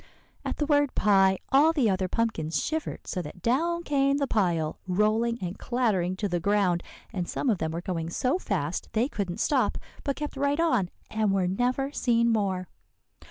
"At the word 'pie,' all the other pumpkins shivered so that down came the pile rolling and clattering to the ground; and some of them were going so fast they couldn't stop, but kept right on and were never seen more.